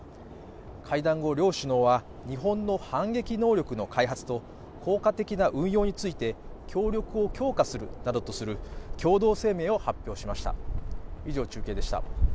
会談後、両首脳は日本の反撃能力の開発と効果的な運用について協力を強化するなどとする共同声明を発表しました。